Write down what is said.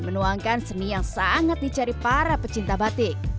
menuangkan seni yang sangat dicari para pecinta batik